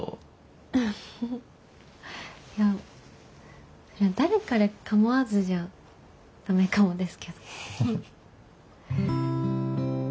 いや誰彼構わずじゃダメかもですけど。